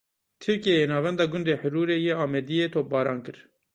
Tirkiyeyê navenda gundê Hirûrê yê Amêdiyê topbaran kir.